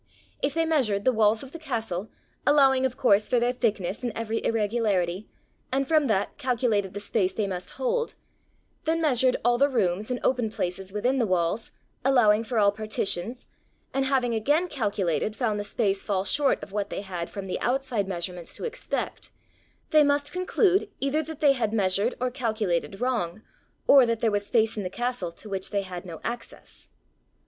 If they measured the walls of the castle, allowing of course for their thickness and every irregularity, and from that, calculated the space they must hold; then measured all the rooms and open places within the walls, allowing for all partitions; and having again calculated, found the space fall short of what they had from the outside measurements to expect; they must conclude either that they had measured or calculated wrong, or that there was space in the castle to which they had no access.